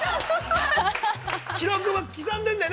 ◆木戸君は刻んでんだよね。